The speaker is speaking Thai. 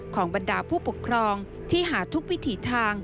บรรดาผู้ปกครองที่หาทุกวิถีทาง